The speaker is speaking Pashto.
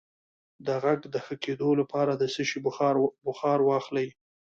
د غږ د ښه کیدو لپاره د څه شي بخار واخلئ؟